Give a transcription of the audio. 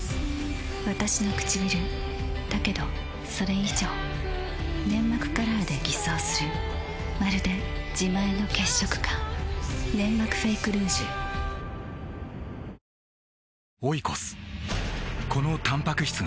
わたしのくちびるだけどそれ以上粘膜カラーで偽装するまるで自前の血色感「ネンマクフェイクルージュ」あっ！！！え？？